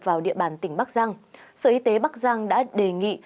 vào địa bàn tỉnh bắc giang sở y tế bắc giang đã đề nghị